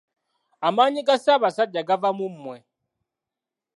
Amaanyi ga Ssaabasajja gava mu mwe.